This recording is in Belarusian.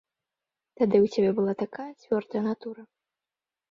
Тады ў цябе была такая цвёрдая натура.